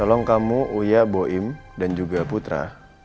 tolong kamu uya boim dan juga putra